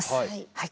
はい。